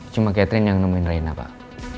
cuma catherine yang nemuin raina pak